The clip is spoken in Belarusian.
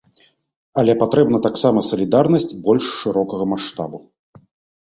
Але патрэбна таксама салідарнасць больш шырокага маштабу.